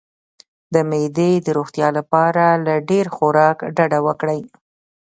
د معدې د روغتیا لپاره له ډیر خوراک ډډه وکړئ